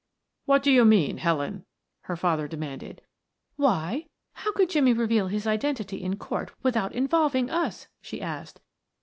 "What do you mean, Helen?" her father demanded. "Why, how could Jimmie reveal his identity in court without involving us?" she asked.